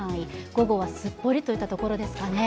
午後はすっぽりといったところですかね。